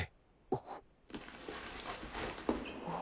あっ。